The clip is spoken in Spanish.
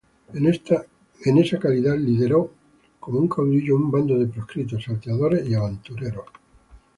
En esa calidad, lideró como un caudillo un bando de proscritos, salteadores y aventureros.